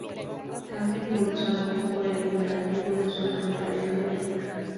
Canta impulsado por el imperativo de su naturaleza lírica.